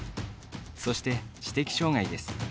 そして、知的障がいです。